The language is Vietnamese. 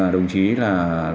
đồng chí là